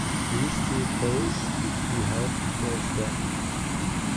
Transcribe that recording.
These two posts he held till his death.